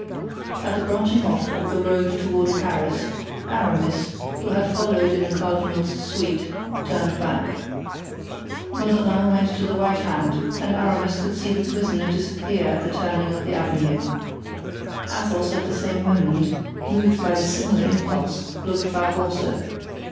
At the branching off of the road toward Paris, Aramis, who had followed in the cardinal's suite, turned back. Mazarin went to the right hand and Aramis could see the prisoner disappear at the turning of the avenue. Athos, at the same moment, moved by a similar impulse, looked back also.